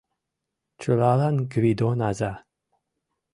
Чылалан — Гвидон аза